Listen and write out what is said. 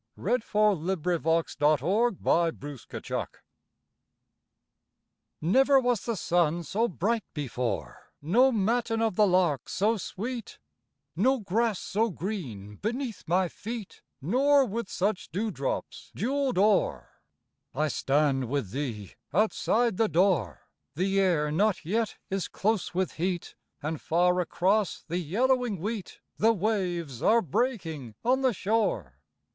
What will it bring to you? A SUMMER MORNING Never was sun so bright before, No matin of the lark so sweet, No grass so green beneath my feet, Nor with such dewdrops jewelled o'er. I stand with thee outside the door, The air not yet is close with heat, And far across the yellowing wheat The waves are breaking on the shore.